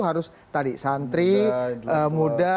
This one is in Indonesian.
harus santri muda